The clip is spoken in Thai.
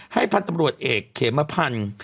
พันธุ์ตำรวจเอกเขมพันธ์